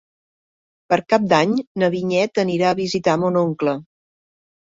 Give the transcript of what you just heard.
Per Cap d'Any na Vinyet anirà a visitar mon oncle.